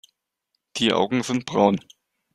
Die Augen sind braun.